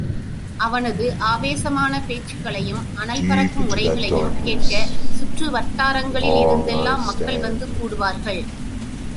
அவனது ஆவேசமான பேச்சுக்களையும், அனல் பறக்கும் உரைகளையும் கேட்க சுற்று வட்டாரங்களிலிருந்தெல்லாம் மக்கள் வந்து கூடுவார்கள்.